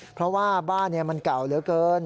เพราะว่าบ้านมันเก่าเหลือเกิน